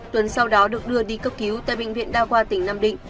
tuấn sau đó được đưa đi cấp cứu tại bệnh viện đa khoa tỉnh nam định